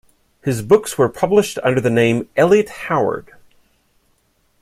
His books were published under the name "Eliot Howard".